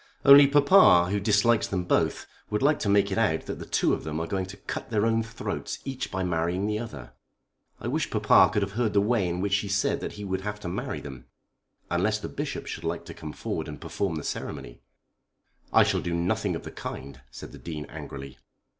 Only papa, who dislikes them both, would like to make it out that the two of them are going to cut their own throats each by marrying the other. I wish papa could have heard the way in which she said that he would have to marry them, unless the Bishop should like to come forward and perform the ceremony." "I shall do nothing of the kind," said the Dean angrily.